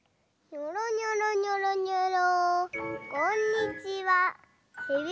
にょろにょろにょろにょろ。